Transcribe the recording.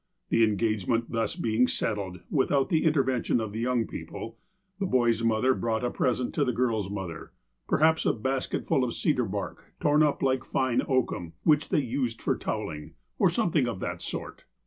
The engagement thus being settled, without the intervention of the young people, the boy's mother brought a present to the girl's mother, per haps a basketful of cedar bark, torn up fine like oakum, which they use for toweliug, or something of that sort.